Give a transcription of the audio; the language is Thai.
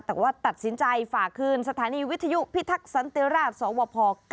แต่ว่าตัดสินใจฝากคืนสถานีวิทยุพิทักษันติราชสวพ๙